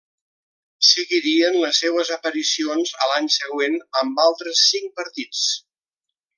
Seguirien les seues aparicions a l'any següent amb altres cinc partits.